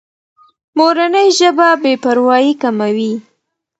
مورنۍ ژبه بې پروایي کموي.